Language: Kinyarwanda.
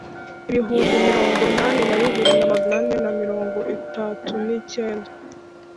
Ibihumbi mirongo inani na bibiri na magana ane na mirongo itatu n icyenda